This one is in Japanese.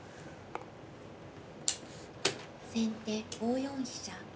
先手５四飛車。